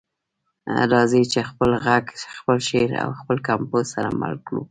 راځئ چې خپل غږ، خپل شعر او خپل کمپوز سره مل کړو.